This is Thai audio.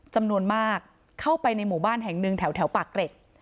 จำนวนมากเข้าไปในหมู่บ้านแห่งหนึ่งแถวปากเกร็ด